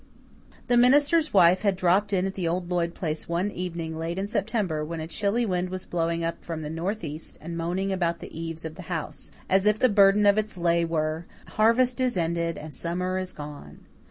The minister's wife had dropped in at the old Lloyd place one evening late in September, when a chilly wind was blowing up from the northeast and moaning about the eaves of the house, as if the burden of its lay were "harvest is ended and summer is gone."